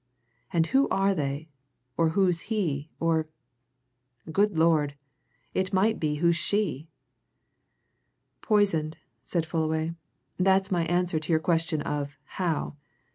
And who are they or who's he or good Lord! it might be who's she?" "Poisoned," said Fullaway. "That's my answer to your question of how?